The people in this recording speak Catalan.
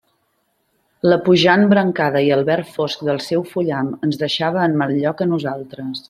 La puixant brancada i el verd fosc del seu fullam ens deixava en mal lloc a nosaltres.